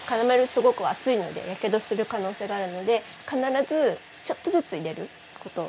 すごく熱いのでやけどする可能性があるので必ずちょっとずつ入れること。